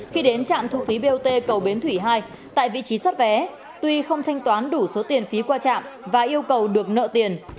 khi đến trạm thu phí bot cầu bến thủy hai tại vị trí xuất vé tuy không thanh toán đủ số tiền phí qua trạm và yêu cầu được nợ tiền